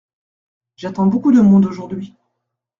J'attends beaucoup de monde aujourd'hui.